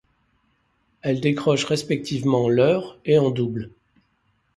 Elles décrochent respectivement leur et en double.